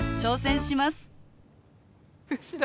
後ろ